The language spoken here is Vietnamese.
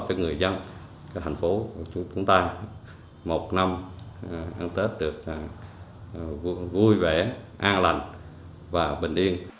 cho người dân thành phố của chúng ta một năm ăn tết được vui vẻ an lành và bình yên